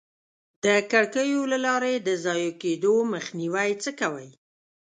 د کړکیو له لارې د ضایع کېدو مخنیوی څه کوئ؟